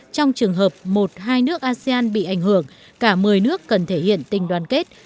trong trường hợp một hai nước asean bị ảnh hưởng cả mười nước cần thể hiện tình đoàn kết